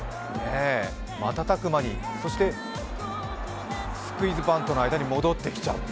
瞬く間に、そして、スクイズバントの間に戻ってきちゃう。